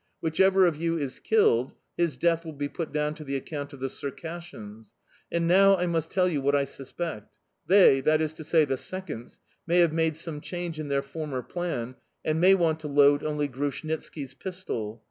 Whichever of you is killed his death will be put down to the account of the Circassians. And now I must tell you what I suspect: they, that is to say the seconds, may have made some change in their former plan and may want to load only Grushnitski's pistol.